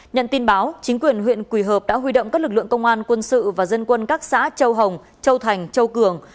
nhận tin báo chính quyền huyện quỳ hợp đã huy động các lực lượng công an quân sự và dân quân các xã châu hồng châu thành châu cường